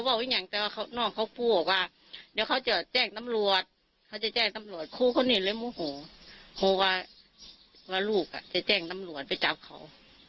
เพราะว่าว่าลูกจะแจ้งน้ำลวนไปจาบเขา